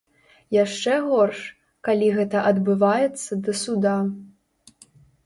Яшчэ горш, калі гэта адбываецца да суда.